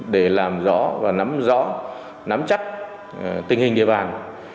để làm rõ và nắm rõ nắm chắc tình hình địa bàn